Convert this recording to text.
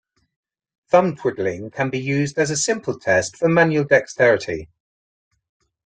Thumb twiddling can be used as a simple test for manual dexterity!?